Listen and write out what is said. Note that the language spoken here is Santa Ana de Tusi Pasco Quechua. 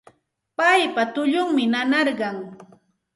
Paypa tullunmi nanarqan